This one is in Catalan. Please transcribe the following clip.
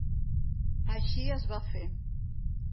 Així es va fer.